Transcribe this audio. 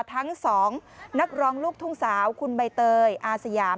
ทั้งสองนักร้องลูกทุ่งสาวคุณใบเตยอาสยาม